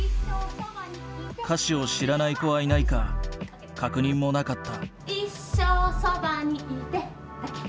歌詞を知らない子はいないか確認もなかった。